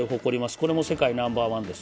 これも世界ナンバーワンです。